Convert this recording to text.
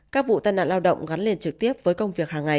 các vụ tai nạn lao động gắn liền trực tiếp với công việc hàng ngày